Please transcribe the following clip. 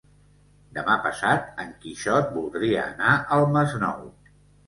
Demà passat en Quixot voldria anar al Masnou.